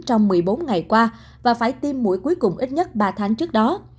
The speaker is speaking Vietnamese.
trong một mươi bốn ngày qua và phải tiêm mũi cuối cùng ít nhất ba tháng trước đó